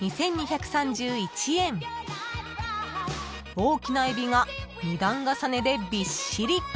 ［大きなエビが２段重ねでびっしり］